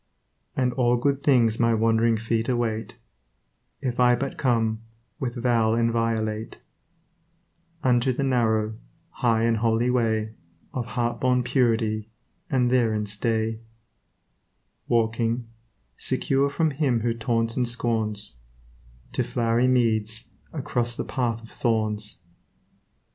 And all good things my wandering feet await, If I but come, with vow inviolate, Unto the narrow, high and holy way Of heart born purity, and therein stay; Walking, secure from him who taunts and scorns, To flowery meads, across the path of thorns.